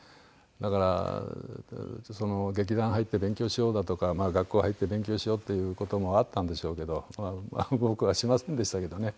だから劇団入って勉強しようだとか学校入って勉強しようという事もあったんでしょうけど僕はしませんでしたけどね。